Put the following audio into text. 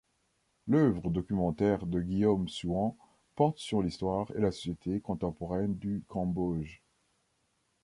L'œuvre documentaire de Guillaume Suon porte sur l’histoire et la société contemporaine du Cambodge.